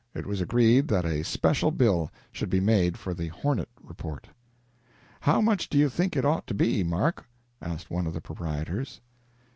It was agreed that a special bill should be made for the "Hornet" report. "How much do you think it ought to be, Mark?" asked one of the proprietors.